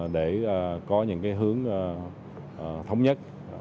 để có những hướng thống nhất